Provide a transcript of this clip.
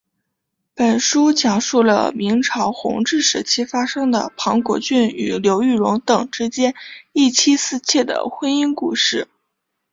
本书讲述了明朝弘治时期发生的庞国俊与刘玉蓉等之间一妻四妾的婚姻故事。